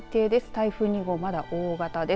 台風２号、まだ大型です。